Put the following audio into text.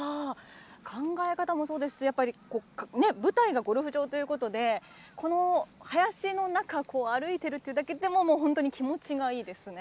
考え方もそうですし舞台がゴルフ場ということでこの林の中を歩いているだけでも本当に気持ちがいいですね。